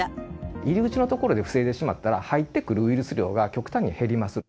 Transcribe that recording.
入り口の所で防いでしまったら、入ってくるウイルス量が極端に減ります。